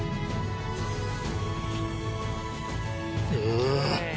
うわ。